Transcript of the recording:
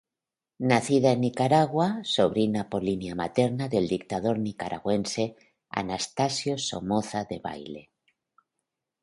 Nacida en Nicaragua, sobrina por línea materna del dictador nicaragüense Anastasio Somoza Debayle.